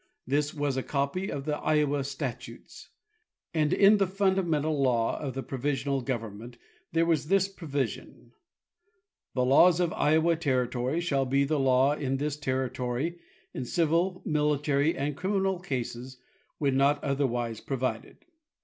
This was a copy of the Iowa Statutes} and in the fundamental law of the provisional government there was this provision: " The laws of Iowa territory shall be the law in this territory in civil, military and criminal cases when not other wise provided."